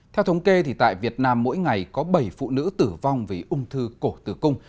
theo thống kê tại việt nam mỗi ngày có bảy phụ nữ tử vong vì ung thư cổ tử cung